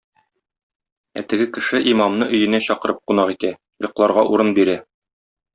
Ә теге кеше имамны өенә чакырып кунак итә, йокларга урын бирә.